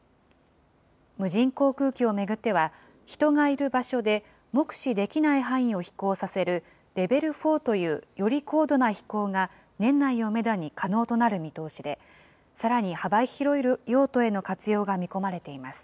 無人航空機を巡っては、人がいる場所で目視できない範囲を飛行させるレベル４というより高度な飛行が年内をメドに可能となる見通しで、さらに幅広い用途への活用が見込まれています。